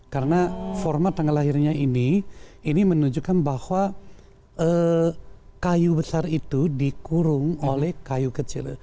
karena format tanggal lahirnya ini ini menunjukkan bahwa kayu besar itu dikurung oleh kayu kecil